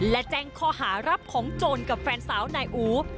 และแจ้งข้อหารับของโจรกับแฟนสาวนายอู๋